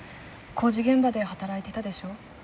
工事現場で働いてたでしょ？